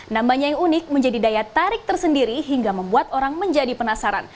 namanya yang unik menjadi daya tarik tersendiri hingga membuat orang menjadi penasaran